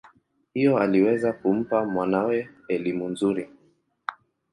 Hivyo aliweza kumpa mwanawe elimu nzuri.